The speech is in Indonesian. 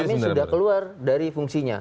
kalau menurut kami sudah keluar dari fungsinya